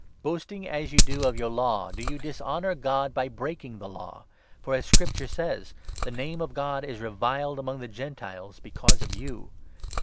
Boasting, as you do, of your Law, do you dishonour God by 23 breaking the Law ? For, as Scripture says — 24 'The name of God is reviled among the Gentiles because of you